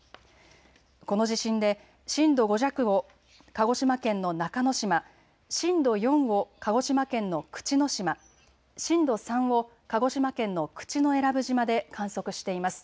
この地震で震度５弱を鹿児島県の中之島、震度４を鹿児島県の口之島、震度３を鹿児島県の口永良部島で観測しています。